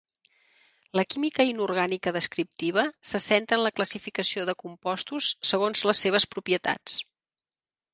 La química inorgànica descriptiva se centra en la classificació de compostos segons les seves propietats.